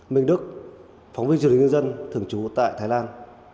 minh đức phóng viên chủ tịch nhân dân thường chú tại thái lan